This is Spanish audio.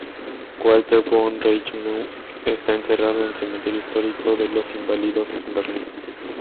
Walter von Reichenau está enterrado en el cementerio histórico de los Inválidos, en Berlín.